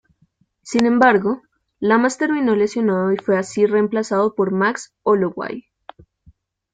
Sin embargo, Lamas terminó lesionado y fue así reemplazado por Max Holloway.